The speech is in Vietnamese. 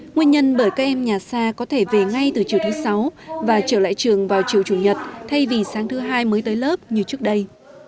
nguyên nhân bởi các em nhà xa có thể về ngay từ chiều thứ sáu và trở lại trường vào chiều chủ nhật thay vì sáng thứ hai mới tới lớp như trước đây